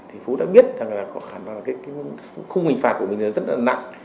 thì phú đã biết rằng là khung hình phạt của mình rất là nặng